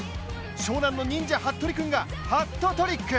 湘南の忍者ハットリくんがハットトリック。